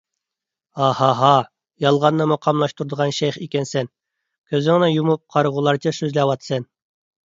ھا! ھا! ھا! يالغاننىمۇ قاملاشتۇرىدىغان شەيخ ئىكەنسەن! كۆزۈڭنى يۇمۇپ قارىغۇلارچە سۆزلەۋاتىسەن.